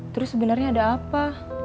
terus sebenarnya ada apa